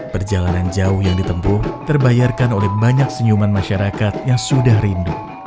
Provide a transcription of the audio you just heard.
perjalanan jauh yang ditempuh terbayarkan oleh banyak senyuman masyarakat yang sudah rindu